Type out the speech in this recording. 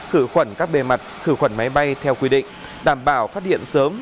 khử khuẩn các bề mặt khử khuẩn máy bay theo quy định đảm bảo phát hiện sớm